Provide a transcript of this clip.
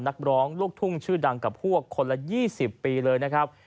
นักร้องลูกทุ่งชื่อดังกับพวกคนละ๒๐ปีเลยนะครับ